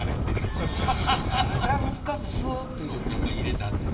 だいぶ深くスッと入れて。